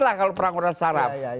lah kalau perang urat syarab